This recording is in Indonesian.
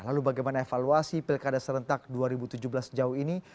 lalu bagaimana evaluasi pilkada serentak dua ribu tujuh belas sejauh ini